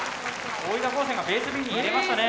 大分高専がベースＢに入れましたね。